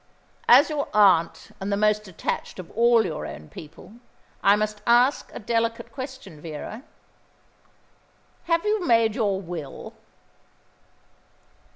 "As your aunt, and the most attached of all your own people, I must ask a delicate question, Vera. Have you made your will?"